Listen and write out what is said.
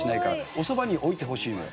「おそばに置いてほしいのよ」